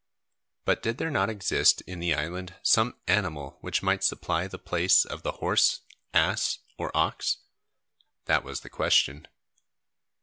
But did there not exist in the island some animal which might supply the place of the horse, ass, or ox? That was the question.